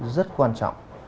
rất quan trọng